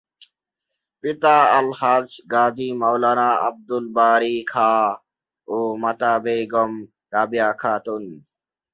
পিতা আলহাজ গাজী মাওলানা আব্দুল বারি খাঁ ও মাতা বেগম রাবেয়া খাতুন।